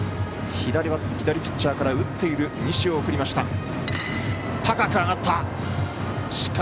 左ピッチャーから打っている西を送りました。